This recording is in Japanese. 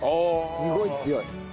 すごい強い。